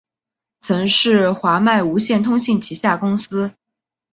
曾是华脉无线通信旗下公司。